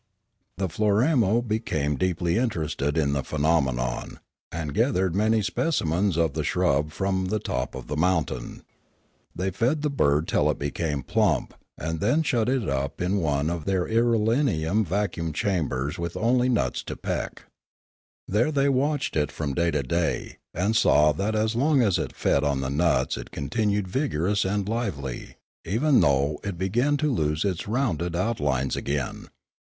The Floramo became deeply interested in the phe nomenon, and gathered many specimens of the shrub from the top of the mountain. They fed the bitd till it became plump, and then shut it up in one of their irelium vacuum chambers with only the nuts to peck. There they watched it from day to day, and saw that as long as it fed on the nuts it continued vigorous and lively, even though it began to lose its rounded out lines again.